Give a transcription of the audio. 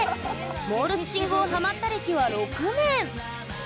モールス信号ハマった歴は６年。